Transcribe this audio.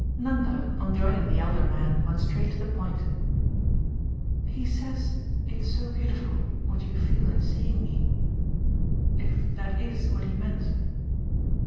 Nanda, on joining the elder man, went straight to the point. "He says it's so beautiful what you feel on seeing me: if that IS what he meant."